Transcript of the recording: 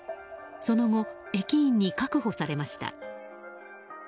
その後、駅員に確保されました。